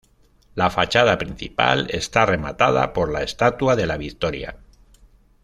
La fachada principal está rematada por la estatua de la Victoria.